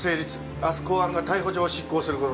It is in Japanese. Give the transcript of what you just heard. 明日公安が逮捕状を執行する事になった。